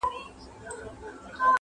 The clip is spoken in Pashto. o را لېږلي یاره دا خلګ خزان دي ,